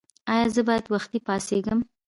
ایا زه باید وختي پاڅیږم؟